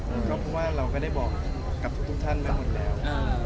เพราะว่าเราก็ได้บอกกับทุกท่านไว้หมดแล้ว